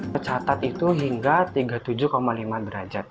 tercatat itu hingga tiga puluh tujuh lima derajat